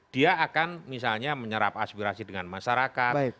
dia akan misalnya menyerap aspirasi dengan masyarakat